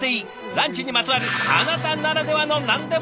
ランチにまつわるあなたならではの何でも自慢。